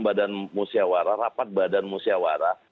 badan musyawara rapat badan musyawara